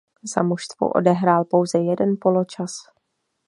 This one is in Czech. Za mužstvo odehrál pouze jeden poločas.